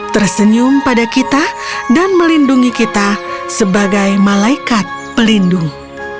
tersenyum pada kita dan melindungi kita sebagai malaikat pelindung